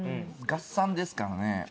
合算ですからね。